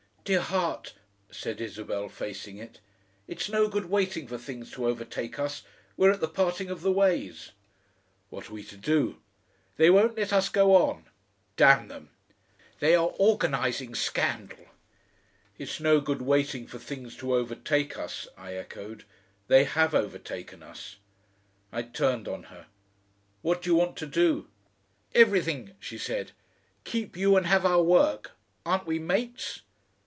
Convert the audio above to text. "Dear heart," said Isabel, facing it, "it's no good waiting for things to overtake us; we're at the parting of the ways." "What are we to do?" "They won't let us go on." "Damn them!" "They are ORGANISING scandal." "It's no good waiting for things to overtake us," I echoed; "they have overtaken us." I turned on her. "What do you want to do?" "Everything," she said. "Keep you and have our work. Aren't we Mates?"